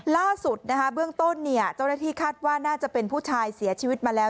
ล่าสุดเบื้องต้นเจ้าหน้าที่คาดว่าน่าจะเป็นผู้ชายเสียชีวิตมาแล้ว